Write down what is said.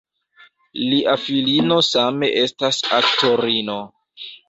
Lia filino same estas aktorino.